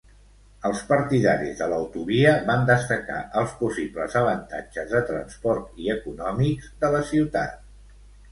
Els partidaris de l'autovia van destacar els possibles avantatges de transport i econòmics de la ciutat.